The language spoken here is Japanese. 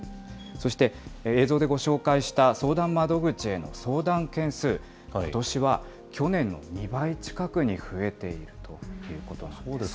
そして、映像でご紹介した、相談窓口への相談件数、ことしは去年の２倍近くに増えているということなんです。